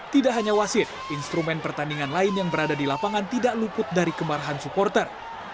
tidak hanya wasit instrumen pertandingan lain yang berada di lapangan tidak luput dari kemarahan supporter